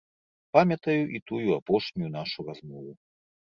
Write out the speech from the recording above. Памятаю і тую апошнюю нашу размову.